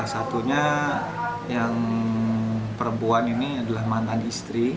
satunya yang perempuan ini adalah mantan istri